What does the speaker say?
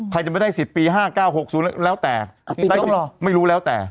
จะไม่ได้สิทธิ์ปี๕๙๖๐แล้วแต่ได้จริงไม่รู้แล้วแต่